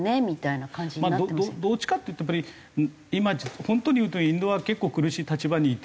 どっちかっていうとやっぱり今本当に言うとインドは結構苦しい立場にいて。